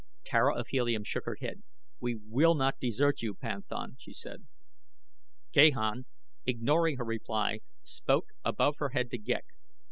Tara of Helium shook her head. "We will not desert you, panthan," she said. Gahan, ignoring her reply, spoke above her head to Ghek.